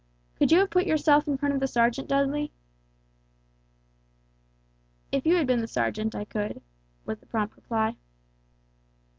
Could you have put yourself in front of the sergeant, Dudley?" "If you had been the sergeant, I could," was the prompt reply.